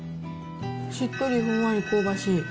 しっとりふんわり香ばしい。